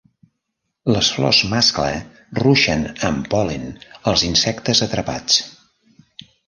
Les flors mascle ruixen amb pol·len als insectes atrapats.